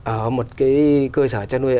ở một cái cơ sở chăn nuôi